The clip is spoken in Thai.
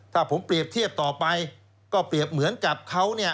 ถ้าผมเปรียบเทียบต่อไปก็เปรียบเหมือนกับเขาเนี่ย